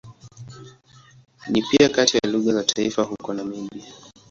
Ni pia kati ya lugha za taifa huko Namibia.